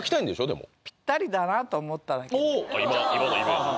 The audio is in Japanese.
でもぴったりだなと思っただけ今のイメージ？